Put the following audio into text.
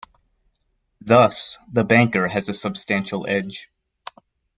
Thus, the banker has a substantial edge.